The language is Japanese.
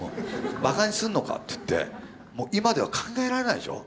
「バカにすんのか」って言ってもう今では考えられないでしょ。